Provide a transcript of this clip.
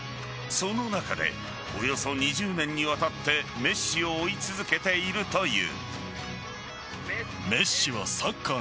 その中でおよそ２０年にわたってメッシを追い続けているという。